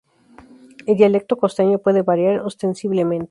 El dialecto costeño puede variar ostensiblemente.